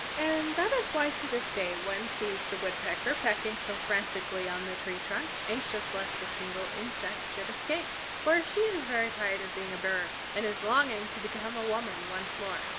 And that is why to this day one sees the Woodpecker pecking so frantically on the tree trunks, anxious lest a single insect should escape. For she is very tired of being a bird, and is longing to become a woman once more.